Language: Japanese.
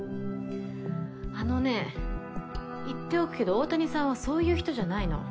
あのねぇ言っておくけど大谷さんはそういう人じゃないの。